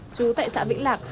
chú tại xã vĩnh lạc